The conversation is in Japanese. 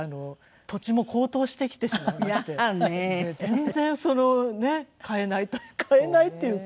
全然そのねえ。買えない買えないっていうか。